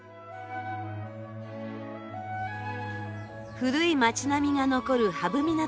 古い町並みが残る波浮港地区。